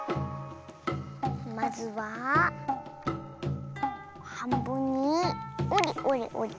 まずははんぶんにおりおりおり。